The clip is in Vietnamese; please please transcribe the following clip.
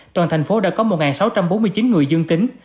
toàn thành phố đã có một sáu trăm bốn mươi chín người dương tính